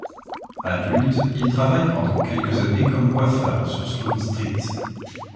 Adulte, il travaille pendant quelques années comme coiffeur sur Sloane Street.